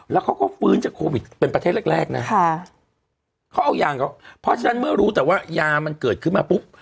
แล้วเขาก็ฟื้นจากโควิดเป็นประเทศแรกแรกนะเขาเอายางเขาเพราะฉะนั้นเมื่อรู้แต่ว่ายามันเกิดขึ้นมาปุ๊บ